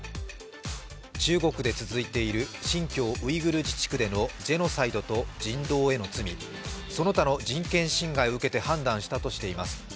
中国で続いている新疆ウイグル自治区でのジェノサイドと人道の罪その他の人権侵害を受けて判断したとしています。